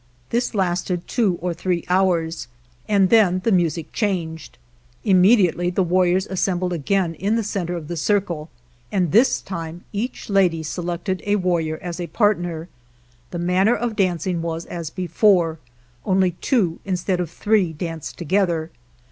This lasted two or three hours and then the music changed. Immediately the warriors assem bled again in the center of the circle, and 194 UNWRITTEN LAWS this time each lady selected a warrior as a partner. The manner of dancing was as be fore, only two instead of three danced together.